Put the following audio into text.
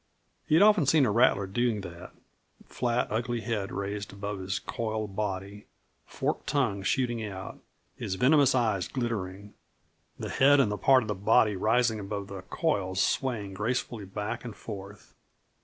He had often seen a rattler doing that flat, ugly head raised above his coiled body, forked tongue shooting out, his venomous eyes glittering, the head and the part of the body rising above the coils swaying gracefully back and forth.